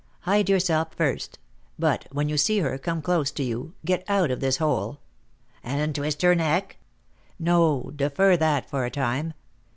Hide yourself first; but, when you see her come close to you, get out of this hole " "And twist her neck?" "No, defer that for a time.